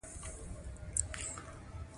نورو افسرانو د پادري له ځورولو څخه خوند اخیست.